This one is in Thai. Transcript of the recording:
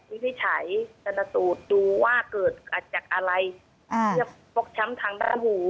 วิทยาศาสตร์ดูว่าเกิดจากอะไรมกช้ำทางด้านหู